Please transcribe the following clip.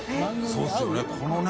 そうですよね。